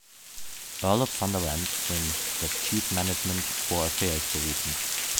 Earl of Sunderland in das "Chief Management for Affairs" berufen.